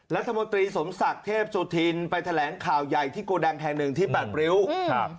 รัฐมนตรีสมศักดิ์เทพสุธินไปแถลงข่าวใหญ่ที่โกดังแห่งหนึ่งที่แปดริ้วครับ